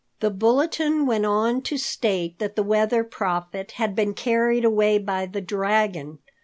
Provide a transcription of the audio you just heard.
The bulletin went on to state that the Weather Prophet had been carried away by the dragon.